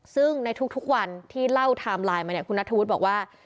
ซึ่งในทุกวันที่เล่าไทม์ไลน์มาเนี่ยคุณนัทธวุฒิบอกว่า